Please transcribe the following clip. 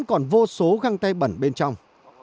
có số găng tay bẩn bên trong